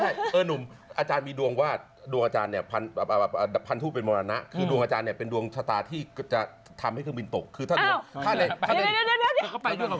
ตัวอาจารย์มีดวงว่าดวงอาจารย์แผนทู่เป็นมรณะคือกลบอาจารย์เนี่ยเป็นดวงชะตาที่จะทำให้เครื่องดีตก